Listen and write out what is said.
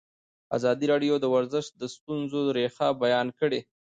ازادي راډیو د ورزش د ستونزو رېښه بیان کړې.